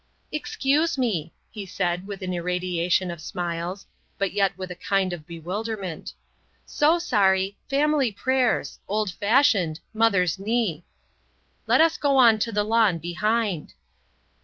"Excuse me," he said with an irradiation of smiles, but yet with a kind of bewilderment. "So sorry...family prayers...old fashioned...mother's knee. Let us go on to the lawn behind."